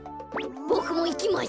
ボクもいきます。